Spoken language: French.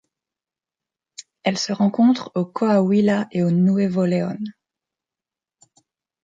Elle se rencontre au Coahuila et au Nuevo León.